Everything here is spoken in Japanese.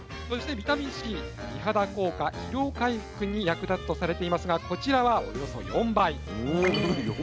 そしてビタミンＣ美肌効果疲労回復に役立つとされていますがこちらはおよそ４倍。